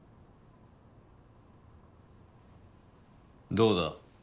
どうだ？